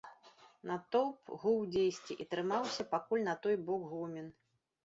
Натоўп гуў дзесьці і трымаўся пакуль на той бок гумен.